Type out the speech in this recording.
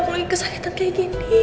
aku lagi kesakitan seperti ini